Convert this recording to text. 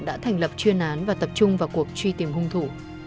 đã thành lập chuyên án và tập trung vào cuộc truy tìm hung thủ